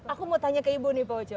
aku mau tanya ke ibu nih pak ojo